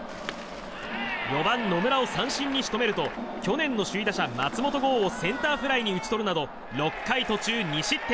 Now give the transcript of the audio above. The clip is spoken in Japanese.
４番、野村を三振に仕留めると去年の首位打者、松本剛をセンターフライに打ち取るなど６回途中２失点。